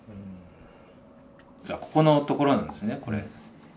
ここのところなんですねこれ。